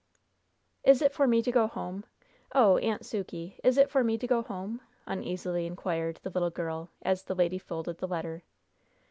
"Is it for me to go home? Oh, Aunt Sukey, is it for me to go home?" uneasily inquired the little girl, as the lady folded the letter.